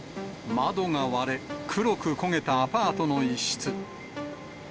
窓が割れ、黒く焦げたアパートの一室。